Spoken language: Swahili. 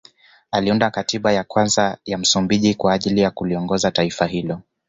Aliunda katiba ya kwanza ya Msumbiji kwa ajili ya kuliongoza taifa hilo